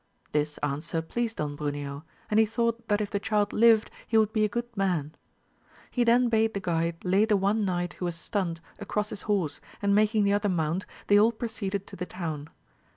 This answer pleased Don Broneo, and he thought that if the child lived he would be a good man. He then bade the guide lay the one knight who was stunned, across his horse, and making the other mount, they all proceeded to the town.